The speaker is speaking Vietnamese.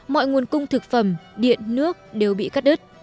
mọi nguồn cung thực phẩm điện nước đều bị cắt đứt